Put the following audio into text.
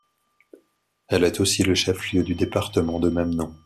Elle est aussi le chef-lieu du département de même nom.